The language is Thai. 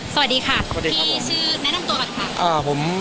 สวัสดีค่ะสวัสดีครับผมพี่ชื่อแนะนำตัวล่ะค่ะอ่าผม